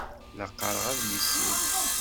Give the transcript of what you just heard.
La qqaṛeɣ adlis-im.